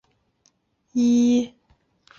许衡生于金卫绍王大安元年九月丙寅。